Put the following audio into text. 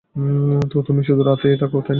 তো, তুমি শুধু রাতেই থাকো, তাই না?